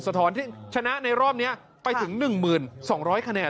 กายุ่ง